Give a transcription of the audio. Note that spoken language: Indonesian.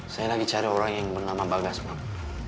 saya lagi cari orang yang bernama bagas bang